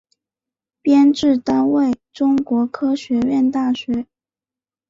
编制单位中国科学院大学